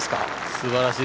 すばらしい！